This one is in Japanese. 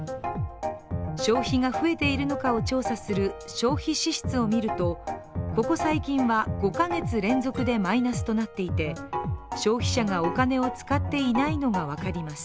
消費が増えているのかを調査する消費支出をみるとここ最近は５か月連続でマイナスとなっていて消費者がお金を使っていないのが分かります。